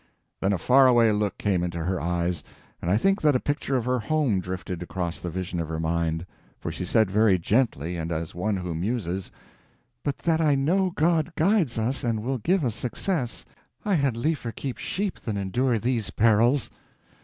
Then a faraway look came into her eyes, and I think that a picture of her home drifted across the vision of her mind; for she said very gently, and as one who muses, "But that I know God guides us and will give us success, I had liefer keep sheep than endure these perils."